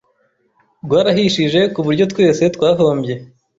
rwarahishije ku buryo twese twahombye